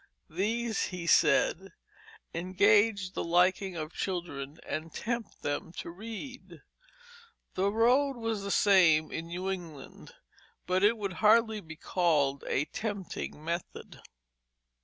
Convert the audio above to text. These, he said, "engage the liking of children and tempt them to read." The road was the same in New England, but it would hardly be called a tempting method.